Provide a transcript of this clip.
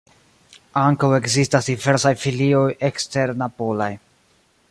Ankaŭ ekzistas diversaj filioj eksternapolaj.